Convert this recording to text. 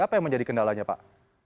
apa yang menjadi kendalanya pak